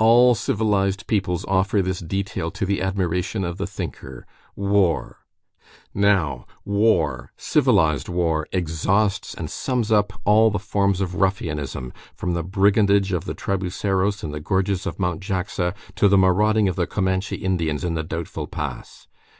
All civilized peoples offer this detail to the admiration of the thinker; war; now, war, civilized war, exhausts and sums up all the forms of ruffianism, from the brigandage of the Trabuceros in the gorges of Mont Jaxa to the marauding of the Comanche Indians in the Doubtful Pass.